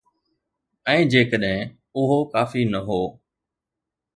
۽ جيڪڏهن اهو ڪافي نه هو.